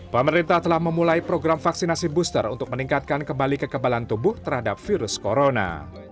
pemerintah telah memulai program vaksinasi booster untuk meningkatkan kembali kekebalan tubuh terhadap virus corona